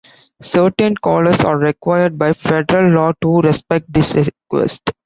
Certain callers are required by federal law to respect this request.